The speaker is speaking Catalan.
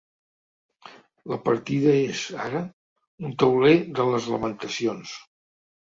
La partida és, ara, un tauler de les lamentacions.